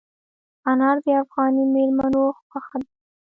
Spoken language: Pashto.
انار د افغاني مېلمنو خوښه ده.